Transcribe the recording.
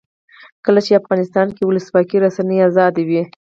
کله چې افغانستان کې ولسواکي وي رسنۍ آزادې وي.